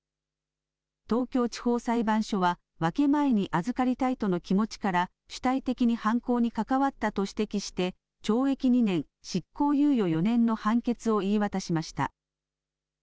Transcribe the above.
東京地方裁判所は分け前にあずかりたいとの気持ちから主体的に犯行に関わったと指摘して、懲役２年執行猶予４年の判決を言い渡しました。